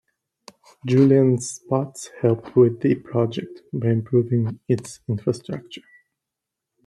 Julian Spotts helped with the project by improving its infrastructure.